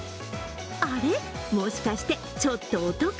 あれ、もしかして、ちょっとお得？